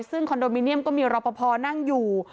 ซึ่งคอนโดมิเนียมก็มีรอปภนั่งอยู่